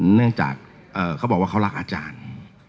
เนื่องจากเขาบอกว่าเขารักอาจารย์